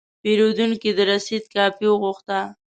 پیرودونکی د رسید کاپي وغوښته.